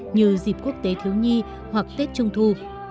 như dịp quốc tế thiếu nhi hoặc tết trung thu